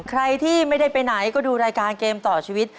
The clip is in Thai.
ใครที่ไม่ได้ไปไหนก็ดูรายการเกมต่อชีวิต